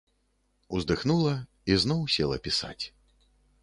Уздыхнула і зноў села пісаць.